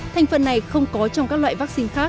thành phần này không có trong các loại vaccine khác